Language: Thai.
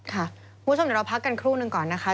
คุณผู้ชมเดี๋ยวเราพักกันครู่หนึ่งก่อนนะคะ